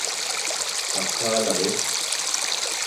¿Asáala be?